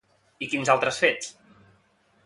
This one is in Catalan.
I quins altres fets?